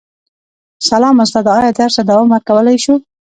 سلام استاده ایا درس ته دوام ورکولی شو